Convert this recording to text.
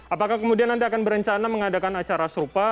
apakah kemudian anda akan berencana mengadakan acara serupa